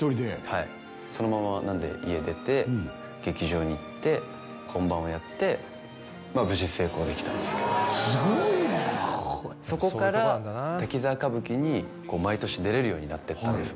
はいそのまま家出て劇場に行って本番をやってまあ無事成功できたんですけどすごいねそこから「滝沢歌舞伎」に毎年出れるようになっていったんです